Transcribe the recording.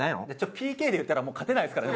ＰＫで言ったらもう勝てないですからね